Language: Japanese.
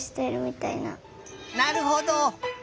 なるほど。